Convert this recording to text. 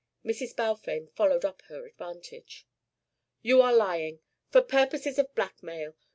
Mrs. Balfame followed up her advantage. "You are lying for purposes of blackmail.